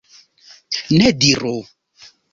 Ne diru!